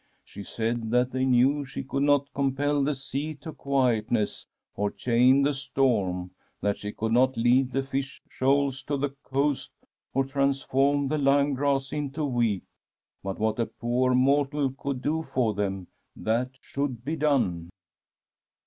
She said that they knew she could not compel the sea to quietness or chain the storm, that she could not lead the fish shoals to the coast, or transform the lyme grass into wheat ; but what a poor mortal could do for them, that should be done.